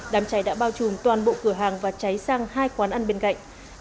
đã bao trùm toàn bộ cửa hàng và cháy sang hai quán ăn bên cạnh